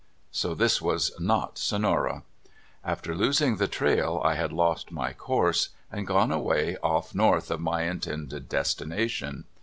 So this was not Sonora. After losing the trail I had lost my course, and gone away off north of my intended destination.